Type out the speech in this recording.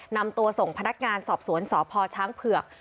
นำตัวส่งพนักงานสอบสวนสพช้างเผือก